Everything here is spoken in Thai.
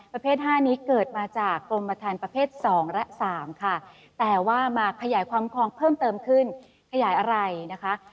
ประเภท๕นี้เกิดมาจากกรมฐานประเภท๒และ๓ค่ะแต่ว่ามาขยายความครองเพิ่มเติมขึ้นขยายอะไรนะคะ